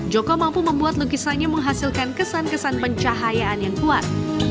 joko mampu membuat lukisannya menghasilkan kesan kesan pencahayaan yang kuat